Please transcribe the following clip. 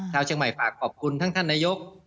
เชียงใหม่ฝากขอบคุณทั้งท่านนายก